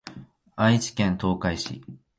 愛知県東海市